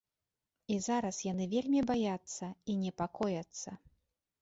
І зараз яны вельмі баяцца і непакояцца.